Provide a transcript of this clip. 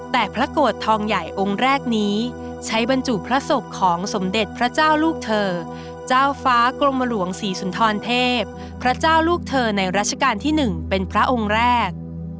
แต่พระโกรธทองใหญ่องค์แรกนี้ใช้บรรจุพระศพของสมเด็จพระเจ้าลูกเธอเจ้าฟ้ากรมหลวงศรีสุนทรเทพพระเจ้าลูกเธอในราชการที่๑เป็นพระองค์แรก